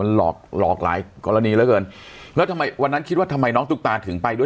หลอกหลอกหลายกรณีแล้วเกินแล้วทำไมวันนั้นคิดว่าทำไมน้องตุ๊กตาถึงไปด้วย